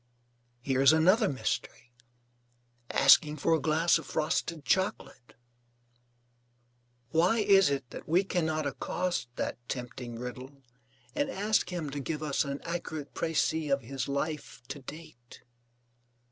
Here is another mystery asking for a glass of frosted chocolate. Why is it that we cannot accost that tempting riddle and ask him to give us an accurate précis of his life to date?